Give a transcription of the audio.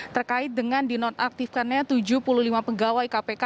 terkait dengan dinonaktifkannya tujuh puluh lima pegawai kpk